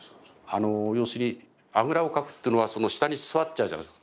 あの要するにあぐらをかくっていうのはその下に座っちゃうじゃないですか